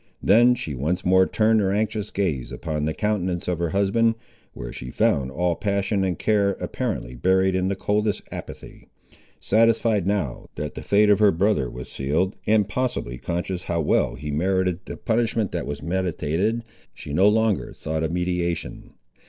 Then she once more turned her anxious gaze upon the countenance of her husband, where she found all passion and care apparently buried in the coldest apathy. Satisfied now, that the fate of her brother was sealed, and possibly conscious how well he merited the punishment that was meditated, she no longer thought of mediation.